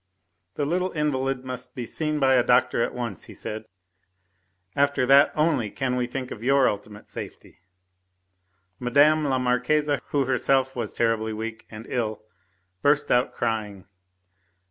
"The little invalid must be seen by a doctor at once," he said, "after that only can we think of your ultimate safety." Mme. la Marquise, who herself was terribly weak and ill, burst out crying.